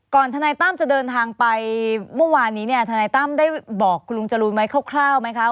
ทนายตั้มจะเดินทางไปเมื่อวานนี้เนี่ยทนายตั้มได้บอกคุณลุงจรูนไหมคร่าวไหมคะ